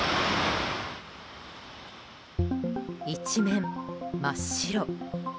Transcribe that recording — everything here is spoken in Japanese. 一面真っ白。